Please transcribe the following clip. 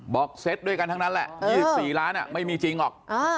เซตด้วยกันทั้งนั้นแหละ๒๔ล้านไม่มีจริงหรอก